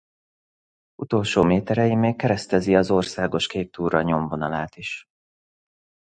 Utolsó méterein még keresztezi az Országos Kéktúra nyomvonalát is.